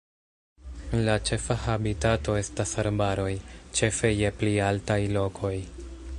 La ĉefa habitato estas arbaroj, ĉefe je pli altaj lokoj.